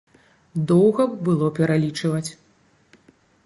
Доўга б было пералічваць.